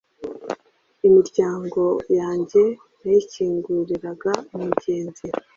imiryango yanjye nayikinguriraga umugenzi